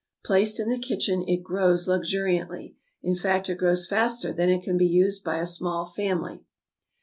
Placed in the kitchen, it grows luxuriantly, in fact, it grows faster than it can be used by a small family.